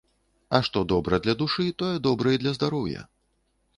А што добра для душы, тое добра і для здароўя.